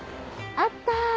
あった！